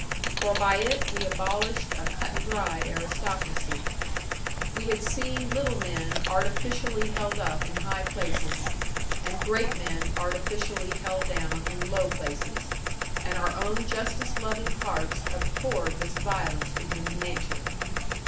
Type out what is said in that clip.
For by it we abolished a cut and dried aristocracy. We had seen little men artificially held up in high places, and great men artificially held down in low places, and our own justice loving hearts abhorred this violence to human nature.